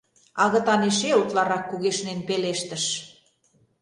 — агытан эше утларак кугешнен пелештыш.